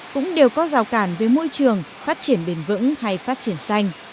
cũng đều có rào cản với môi trường phát triển bền vững hay phát triển xanh